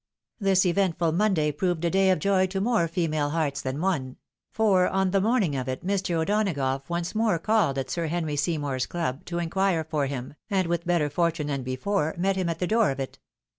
This eventful Monday proved a day of joy to more female hearts than one ; for on the morning of it, Mr: O'Donagough once more called at Sir Henry Seymour's club to inquire for him, and, with better fortune than before, met him at the door of it.